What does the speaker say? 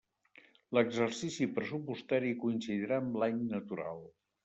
L'exercici pressupostari coincidirà amb l'any natural.